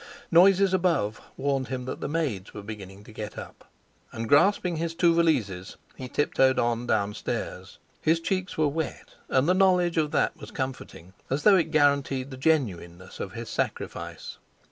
Noises above warned him that the maids were beginning to get up. And grasping the two valises, he tiptoed on downstairs. His cheeks were wet, and the knowledge of that was comforting, as though it guaranteed the genuineness of his sacrifice.